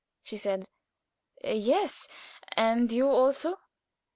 she said. "Yes. And you also?"